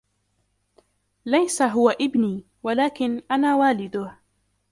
ليس " هو إبني " ولكن " أنا والده ".